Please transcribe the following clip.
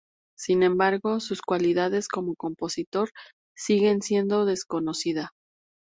Sin embargo, sus cualidades como compositor siguen siendo desconocida.